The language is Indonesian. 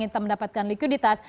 yang ingin mendapatkan likuiditas